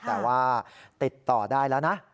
แต่ว่าติดต่อได้แล้วนะ